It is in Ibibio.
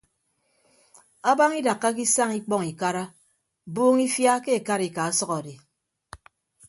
Abañ idakkake isañ ikpọñ ikara buuñ ifia ke ekarika ọsʌk adi.